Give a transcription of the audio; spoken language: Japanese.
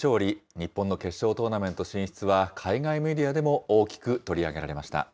日本の決勝トーナメント進出は、海外メディアでも大きく取り上げられました。